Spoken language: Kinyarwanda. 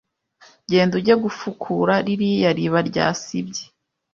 Genda ujye gufukura ririya riba ryasibye